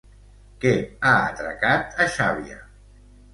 Què ha atracat a Xàbia?